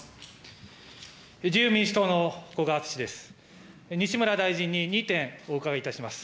自由民主党の古賀篤です。